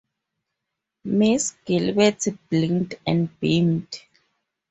Mrs. Gilbert blinked and beamed.